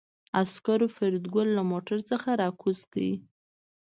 عسکرو فریدګل له موټر څخه راکوز کړ